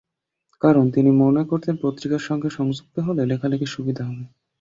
কারণ, তিনি মনে করতেন পত্রিকার সঙ্গে সংযুক্ত হলে লেখালেখির সুবিধা হবে।